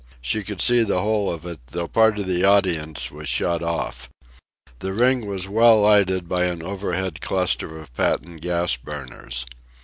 She could see the whole of it, though part of the audience was shut off. The ring was well lighted by an overhead cluster of patent gas burners.